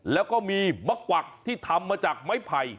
แล้วก็มีมะกวักที่ทำมาจากไม้ไผ่